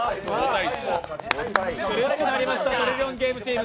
苦しくなりました「トリリオンゲーム」チーム。